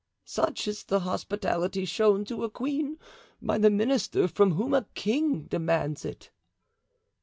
"Such is the hospitality shown to a queen by the minister from whom a king demands it."